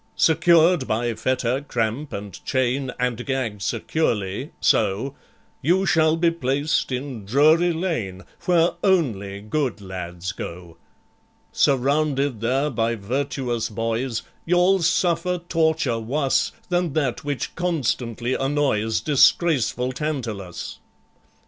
"Secured by fetter, cramp, and chain, And gagged securely—so— You shall be placed in Drury Lane, Where only good lads go. "Surrounded there by virtuous boys, You'll suffer torture wus Than that which constantly annoys Disgraceful TANTALUS.